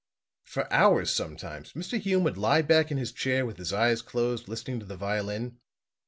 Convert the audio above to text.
For hours, sometimes, Mr. Hume would lie back in his chair with his eyes closed listening to the violin.